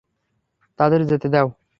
তাদের যেতো দেও।